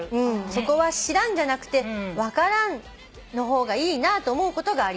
「そこは『知らん』じゃなくて『分からん』の方がいいなと思うことがあります」